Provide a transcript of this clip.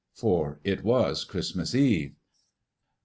for it was Christmas Eve.